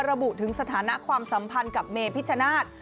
ระบุถึงสถานะความสัมพันธ์กับเมพิชชนาธิ์